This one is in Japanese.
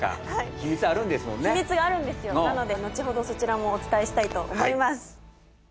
秘密があるんですよなのでのちほどそちらもお伝えしたいと思います